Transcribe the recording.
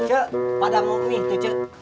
cik padamu mie itu cik